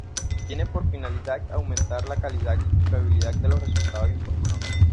Tiene por finalidad aumentar la calidad y confiabilidad de los resultados informados.